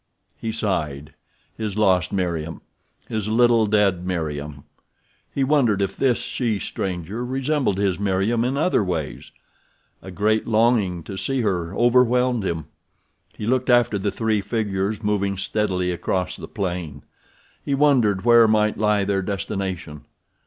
He sighed. His lost Meriem! His little, dead Meriem! He wondered if this she stranger resembled his Meriem in other ways. A great longing to see her overwhelmed him. He looked after the three figures moving steadily across the plain. He wondered where might lie their destination.